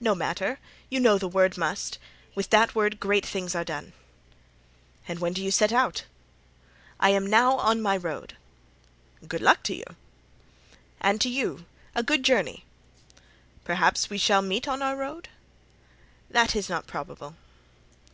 "No matter; you know the word must; with that word great things are done." "And when do you set out?" "I am now on my road." "Good luck to you." "And to you—a good journey." "Perhaps we shall meet on our road." "That is not probable."